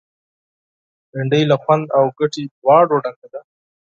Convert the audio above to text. بېنډۍ له خوند او ګټې دواړو ډکه ده